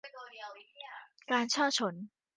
การฉ้อฉล